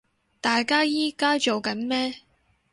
大家依家做緊咩